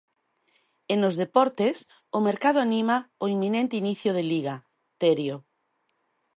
E nos deportes, o mercado anima o inminente inicio de Liga, Terio.